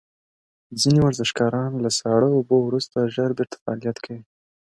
ځینې ورزشکاران له ساړه اوبو وروسته ژر بیرته فعالیت کوي.